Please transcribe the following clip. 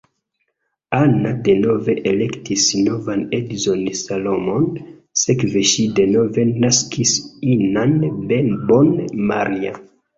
Anna denove elektis novan edzon Solomon, sekve ŝi denove naskis inan bebon Maria.